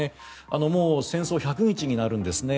もう戦争１００日になるんです。